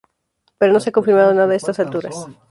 Pero no se ha confirmado nada a estas alturas.